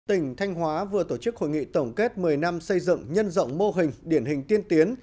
tỉnh thanh hóa vừa tổ chức hội nghị tổng kết một mươi năm xây dựng nhân rộng mô hình điển hình tiên tiến